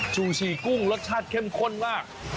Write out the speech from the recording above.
ชูชีกุ้งรสชาติเข้มข้นมาก